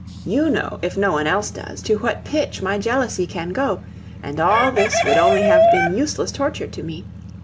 You know, if no one else does, to what pitch my jealousy can go, and all this would only have been useless torture to me.